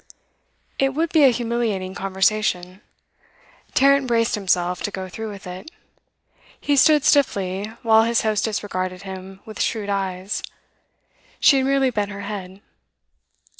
It would be a humiliating conversation; Tarrant braced himself to go through with it. He stood stiffly while his hostess regarded him with shrewd eyes. She had merely bent her head.